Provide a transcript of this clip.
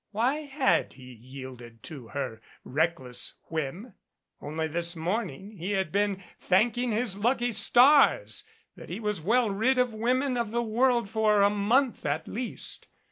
Why had he yielded to her reckless whim? Only this morning he had been thanking his lucky stars that he was well rid of women of the world for a month at least.